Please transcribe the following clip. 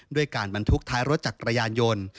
ด้วยการบรรทุกท้ายรถจักรยานยนต์